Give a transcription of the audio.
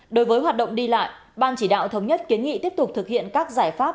đối với hoạt động đi lại ban chỉ đạo thống nhất kiến nghị tiếp tục thực hiện các giải pháp